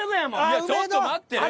いやちょっと待って。